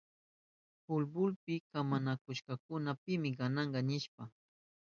Fultbolpi kamanakushkakuna pimi gananka nishpa.